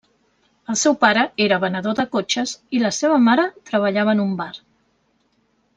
El seu pare era venedor de cotxes i la seva mare treballava en un bar.